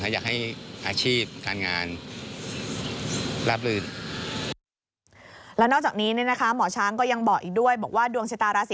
อยากให้อาชีพการงาน